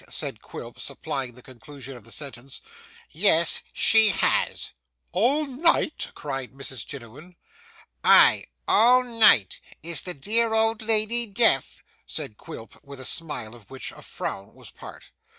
said Quilp, supplying the conclusion of the sentence. 'Yes she has!' 'All night?' cried Mrs Jiniwin. 'Ay, all night. Is the dear old lady deaf?' said Quilp, with a smile of which a frown was part.